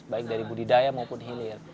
baik dari budidaya maupun hilir